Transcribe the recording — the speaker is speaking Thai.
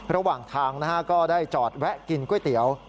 ระหว่างทางก็ได้จอดแวะกินก๋วยเตี๋ยว